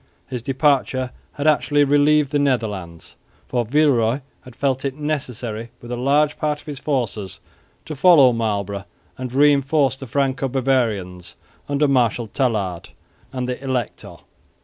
His departure had actually relieved the Netherlands, for Villeroy had felt it necessary with a large part of his forces to follow Marlborough and reinforce the Franco Bavarians under Marshal Tallard and the Elector.